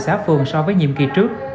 xã phường so với tổ chức nạn nhân